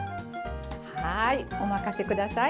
はいお任せください。